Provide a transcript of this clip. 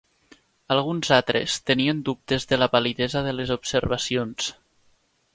Alguns altres tenien dubtes de la validesa de les observacions.